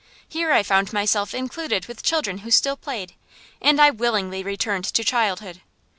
Here I found myself included with children who still played, and I willingly returned to childhood.